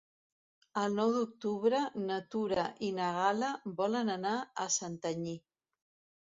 El nou d'octubre na Tura i na Gal·la volen anar a Santanyí.